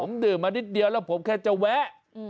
ผมดื่มมานิดเดียวแล้วผมแค่จะแวะ